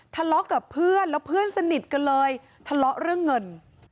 ทะเลาะกับเพื่อนแล้วเพื่อนสนิทกันเลยทะเลาะเรื่องเงิน